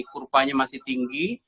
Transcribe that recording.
kurvanya masih tinggi